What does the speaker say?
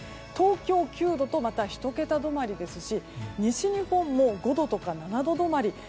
東京９度と１桁止まりですし西日本も５度とか７度止まり。